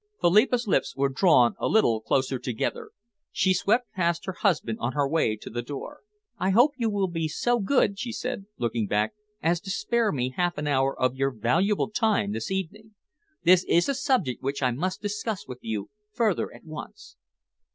Philippa's lips were drawn a little closer together. She swept past her husband on her way to the door. "I hope you will be so good," she said, looking back, "as to spare me half an hour of your valuable time this evening. This is a subject which I must discuss with you further at once."